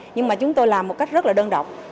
nhưng mà chúng tôi làm một cách rất là đơn độc